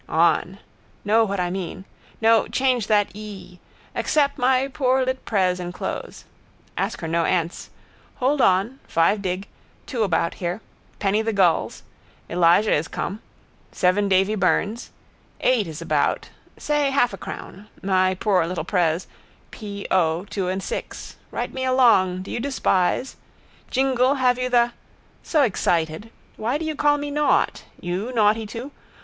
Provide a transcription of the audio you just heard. On. Know what I mean. No, change that ee. Accep my poor litt pres enclos. Ask her no answ. Hold on. Five Dig. Two about here. Penny the gulls. Elijah is com. Seven Davy Byrne's. Is eight about. Say half a crown. My poor little pres: p. o. two and six. Write me a long. Do you despise? Jingle, have you the? So excited. Why do you call me naught? You naughty too?